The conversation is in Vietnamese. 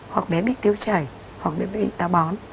hoặc bé bị tiêu chảy hoặc là bị táo bón